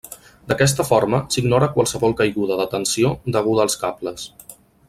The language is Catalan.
D'aquesta forma s'ignora qualsevol caiguda de tensió deguda als cables.